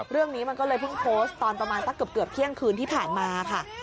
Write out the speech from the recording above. เรื่องนี้มันก็เลยเพิ่งโพสต์ตอนประมาณสักเกือบเที่ยงคืนที่ผ่านมาค่ะ